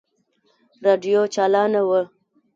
راډيو چالانه وه.